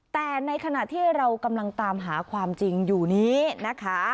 แต่ในขณะที่เรากำลังตามหาความจริงอยู่นี้นะคะ